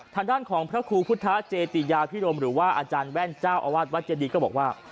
ทางด้านของพระครูพุทธเจติยาพิรมหรือว่าอาจารย์แว่นเจ้าอาวาสวัดเจดีก็บอกว่า